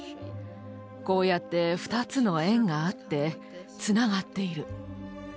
こうやって２つの円があってつながっている。